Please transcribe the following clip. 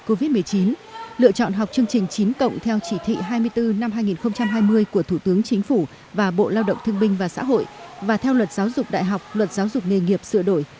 trường cao đẳng nghề trung học cơ sở năm học này sẽ lựa chọn học trường chính cộng theo chỉ thị hai mươi bốn năm hai nghìn hai mươi của thủ tướng chính phủ và bộ lao động thương binh và xã hội và theo luật giáo dục đại học luật giáo dục nghề nghiệp sửa đổi